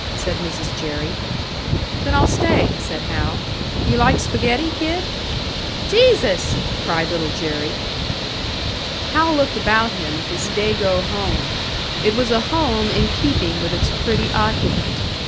said Mrs. Jerry. "Then I'll stay," said Hal. "You like spaghetti, Kid?" "Jesus!" cried Little Jerry. Hal looked about him at this Dago home. It was a tome in keeping with its pretty occupant.